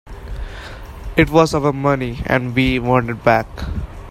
It was our money and we want it back.